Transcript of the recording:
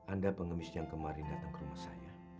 anda pengemis yang kemarin datang ke rumah saya